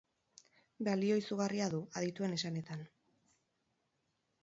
Balio izugarria du, adituen esanetan.